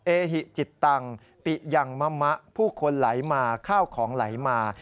เหหิจิตตังปิยังมะมะผู้คนไหลมาข้าวของไหลมา